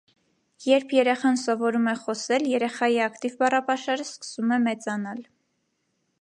Երբ երեխան սովորում է խոսել, երեխայի ակտիվ բառապաշարը սկսում է մեծանալ։